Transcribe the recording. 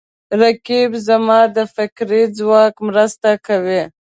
رقیب زما د فکري ځواک مرسته کوي